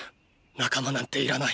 仲間なんていらない。